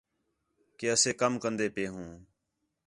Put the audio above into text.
کہ اسے کم کندے پئے ہوں